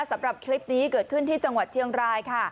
สำหรับคลิปนี้เกิดขึ้นที่จังหวัดเชียงรายค่ะ